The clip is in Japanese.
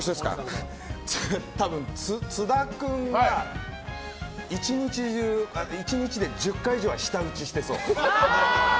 多分、津田君が１日で１０回以上は舌打ちしてそう。